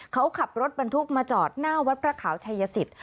เขาขับรถบรรทุกมาจอดหน้าวัดพระขาวชายสิทธิ